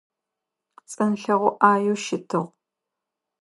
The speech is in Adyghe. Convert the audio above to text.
Цӏэнлъэгъо ӏаеу щытыгъ.